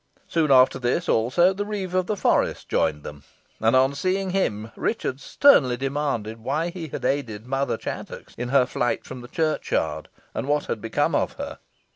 Soon after this, also, the reeve of the forest joined them, and on seeing him, Richard sternly demanded why he had aided Mother Chattox in her night from the churchyard, and what had become of her.